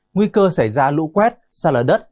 nguy cơ xảy ra lũ quét xa lở đất